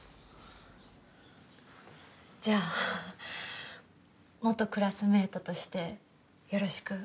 じゃあ元クラスメートとしてよろしく。